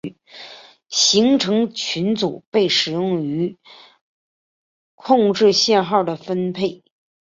行程群组被使用于控制信号的分配。